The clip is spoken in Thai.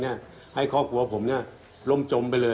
ให้เขากลัวผมร่มจมไปเลย